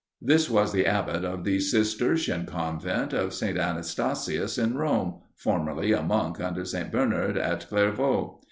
This was the abbot of the Cistercian convent of St. Anastasius in Rome, formerly a monk under St. Bernard at Clairvaux.